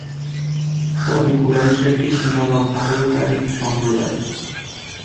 তবে কুরাইশরা একটি সীমালঙ্ঘলকারী সম্প্রদায়।